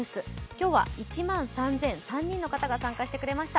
今日は１万３００３人の方が参加してくれました。